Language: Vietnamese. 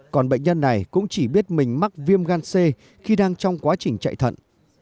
còn bệnh nhân này cũng chỉ biết mình mắc viêm gan c khi đang trong quá trình chạy thận